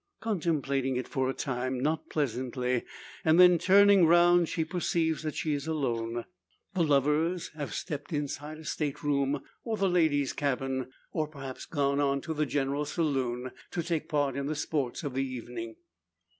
Contemplating it for a time, not pleasantly, and then, turning round, she perceives that she is alone. The lovers have stepped inside a state room, or the ladies' cabin, or perhaps gone on to the general saloon, to take part in the sports of the evening.